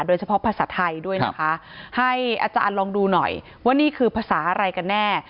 โดยเฉพาะภาษาไทยด้วยนะคะให้อาจารย์ลองดูหน่อยว่านี่คือภาษาอะไรกันแน่